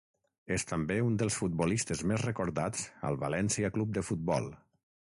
És també un dels futbolistes més recordats al València Club de Futbol.